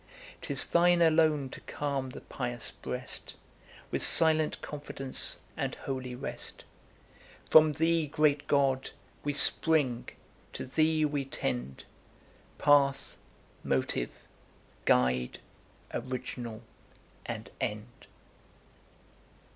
'Tis thine alone to calm the pious breast, With silent confidence and holy rest; From thee, great God! we spring, to thee we tend, Path, motive, guide, original, and end!'